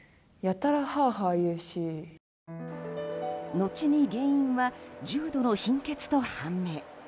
後に原因は重度の貧血と判明。